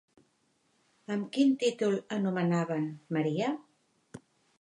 Amb quin títol anomenaven Maria?